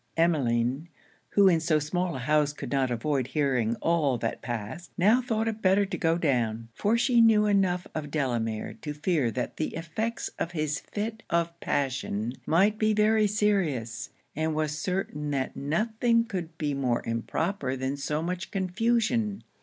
Emmeline, who in so small a house could not avoid hearing all that passed, now thought it better to go down; for she knew enough of Delamere to fear that the effects of his fit of passion might be very serious; and was certain that nothing could be more improper than so much confusion.